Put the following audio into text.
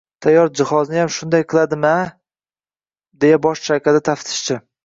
— Tayyor jihozniyam shunday qiladimi-a? — deya bosh chayqadi taftishchi.